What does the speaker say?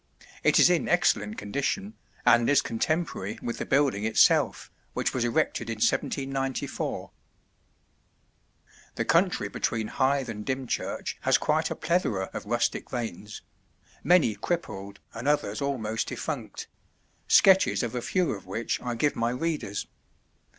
It is in excellent condition, and is contemporary with the building itself, which was erected in 1794. [Illustration: At Hythe.] The country between Hythe and Dymchurch has quite a plethora of rustic vanes many crippled and others almost defunct sketches of a few of which I give my readers.